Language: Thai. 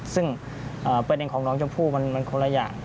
ซึ่งประเด็นของน้องชมพู่มันคนละอย่าง